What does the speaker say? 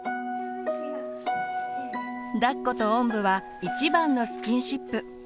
だっことおんぶは一番のスキンシップ。